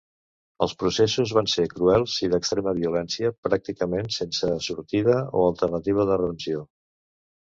Els processos van ser cruels i d'extrema violència, pràcticament sense sortida o alternativa de redempció.